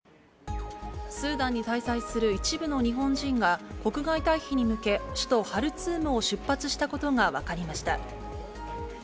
スーダンに滞在する一部の日本人が、国外退避に向け、首都ハルツームを出発したことが分かりました。